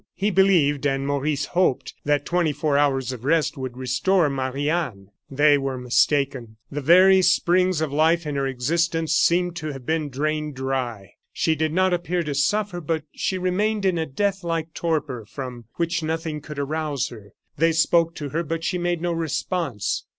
He believed, and Maurice hoped, that twenty four hours of rest would restore Marie Anne. They were mistaken. The very springs of life in her existence seemed to have been drained dry. She did not appear to suffer, but she remained in a death like torpor, from which nothing could arouse her. They spoke to her but she made no response.